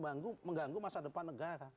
dan mengganggu masa depan negara